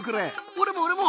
俺も俺も！